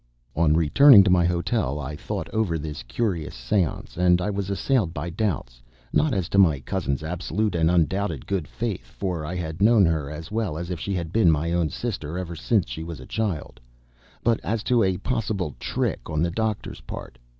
On returning to my hotel, I thought over this curious séance and I was assailed by doubts, not as to my cousin's absolute and undoubted good faith, for I had known her as well as if she had been my own sister ever since she was a child, but as to a possible trick on the doctor's part.